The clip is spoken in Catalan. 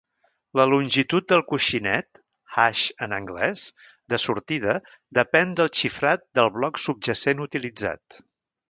La longitud del coixinet (hash en anglès) de sortida depèn del xifrat del bloc subjacent utilitzat.